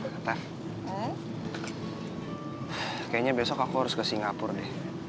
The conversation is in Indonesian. kayaknya besok aku harus ke singapura deh